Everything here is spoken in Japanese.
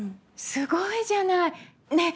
すごいじゃない！ねえ！